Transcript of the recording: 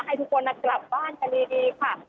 ให้ทุกคนกลับบ้านกันดีค่ะ